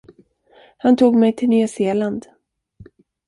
Han tog mig till Nya Zeeland.